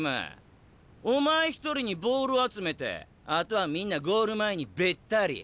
お前一人にボール集めてあとはみんなゴール前にべったり。